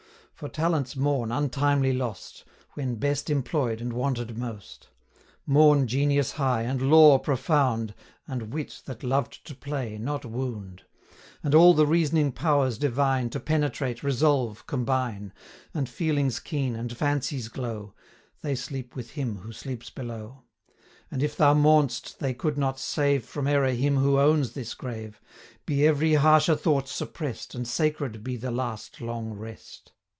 For talents mourn, untimely lost, 130 When best employ'd, and wanted most; Mourn genius high, and lore profound, And wit that loved to play, not wound; And all the reasoning powers divine, To penetrate, resolve, combine; 135 And feelings keen, and fancy's glow, They sleep with him who sleeps below: And, if thou mourn'st they could not save From error him who owns this grave, Be every harsher thought suppress'd, 140 And sacred be the last long rest.